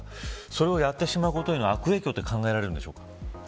それをやってしまうことへの悪影響って考えられるんですか。